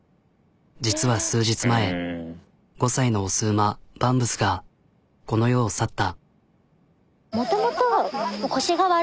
実は数日前５歳の雄馬バンブスがこの世を去った。